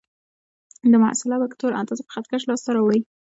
د محصله وکتور اندازه په خط کش لاس ته راوړئ.